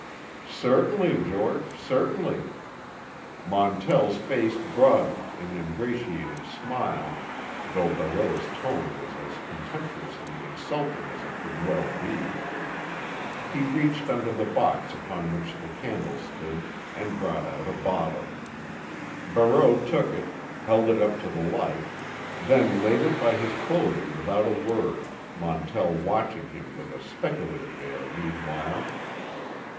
"Certainly, George, certainly," Montell's face broadened in an ingratiating smile, though Barreau's tone was as contemptuously insulting as it could well be. He reached under the box upon which the candle stood and brought out a bottle. Barreau took it, held it up to the light, then laid it by his clothing without a word; Montell watching him with a speculative air, meanwhile.